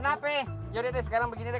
kenapa yaudah sekarang begini nih